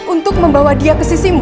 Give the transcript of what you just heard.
untuk membawa dia ke sisimu